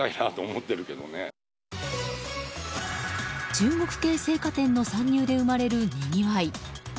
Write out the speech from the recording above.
中国系青果店の参入で生まれるにぎわい。